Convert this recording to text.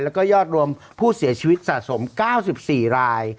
แล้วก็ยอดรวมผู้เสียชีวิตสะสม๙๔ราย